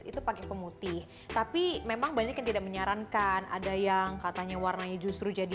itu pakai pemutih tapi memang banyak yang tidak menyarankan ada yang katanya warnanya justru jadi